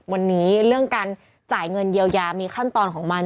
วันนี้เรื่องการจ่ายเงินเยียวยามีขั้นตอนของมัน